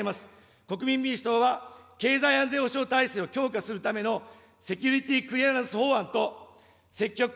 国民民主党は経済安全保障体制を強化するためのセキュリティ・クリアランス法案と積極的